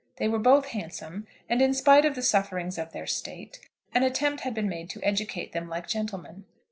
They were both handsome, and, in spite of the sufferings of their State, an attempt had been made to educate them like gentlemen.